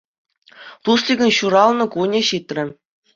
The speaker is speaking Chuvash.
Тусликӑн ҫуралнӑ кунӗ ҫитрӗ.